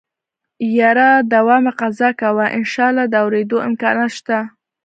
يره دوا مه قضا کوه انشاالله د اورېدو امکانات شته.